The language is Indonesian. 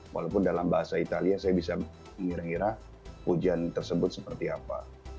walaupun dalam bahasa italia saya bisa mengira ngira hujan tersebut seperti apa